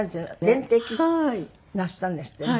全摘なすったんですってね。